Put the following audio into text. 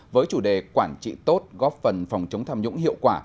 với chủ đề quản trị tốt góp phần phòng chống tham nhũng hiệu quả